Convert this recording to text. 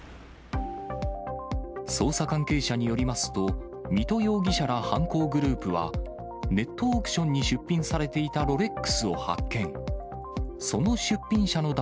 捜査関係者によりますと、水戸容疑者ら犯行グループは、ネットオークションに出品されていたロレックスを発見。